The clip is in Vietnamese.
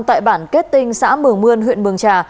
tại bản kết tinh xã mường mươn huyện mường trà